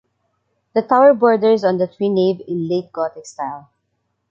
The tower borders on the three-nave in late Gothic style.